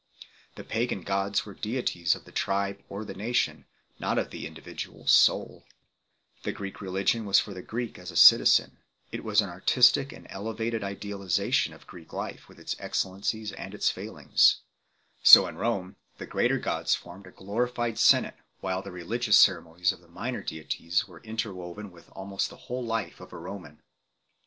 The pagan gods were deities of the tribe or the nation, v.not of the individual soul. The Greek religion was for the Greek as a citizen ; it was an artistic and elevated idealization of Greek life, 1 Ecce Homo, 131 f. 2 Historia, x. 40. Hi*t. Nat. ii. 1. The Preparation of the World. with its excellencies and its failings. So in Rome, the greater gods formed a glorified senate, while the religious ceremonies of the minor deities were interwoven with almost the whole life of a Roman 1